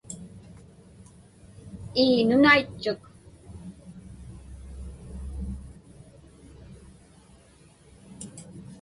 Ii, nunaitchuk.